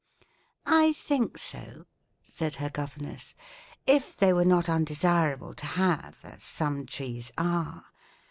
"I think so," said her governess, "if they were not undesirable to have, as some trees are.